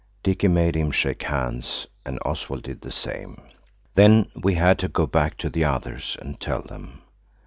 Dicky made him shake hands, and Oswald did the same. Then we had to go back to the others and tell them.